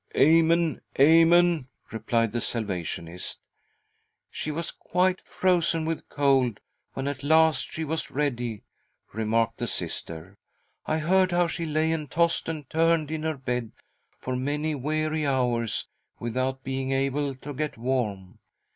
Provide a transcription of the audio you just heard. " Amen ! Amen !" replied the Salvationist. " She was quite frozen with cold when at last she was ready," remarked the Sister. " I heard how she lay and tossed and turned in her bed, for many weary hours, without being able to get warm.